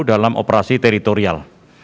dalam operasi teritorial